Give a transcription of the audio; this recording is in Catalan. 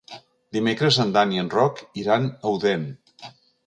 Dimecres en Dan i en Roc iran a Odèn.